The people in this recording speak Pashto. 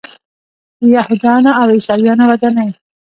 د یهودانو او عیسویانو ودانۍ.